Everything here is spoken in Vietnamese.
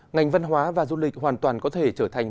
ngành văn hóa và du lịch hoàn toàn có thể trở thành